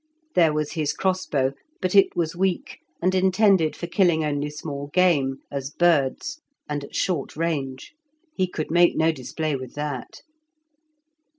There was his crossbow, but it was weak, and intended for killing only small game, as birds, and at short range. He could make no display with that.